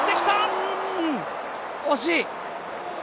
惜しい！